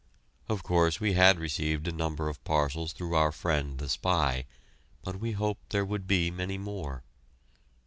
Of course, we had received a number of parcels through our friend the spy, but we hoped there would be many more.